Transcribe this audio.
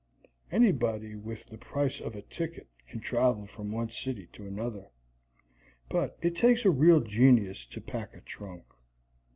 Anybody with the price of a ticket can travel from one city to another, but it takes a real genius to pack a trunk.